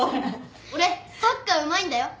俺サッカーうまいんだよ。